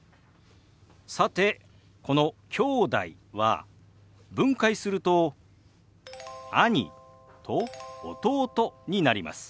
さてこの「きょうだい」は分解すると「兄」と「弟」になります。